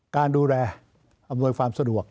การดูแลอำนวยความสะดวก